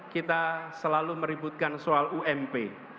kita selalu meributkan soal ump